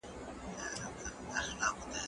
زه پرون لیکل وکړل؟!